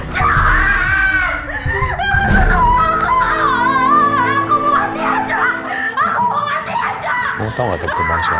kamu tau gak terkembang siapa